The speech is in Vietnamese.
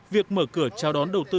việc mở cửa chào đón đầu tư